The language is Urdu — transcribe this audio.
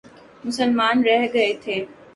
مسلمان رہ گئے تھے۔